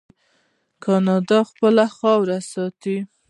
کاناډا خپله خاوره ساتي.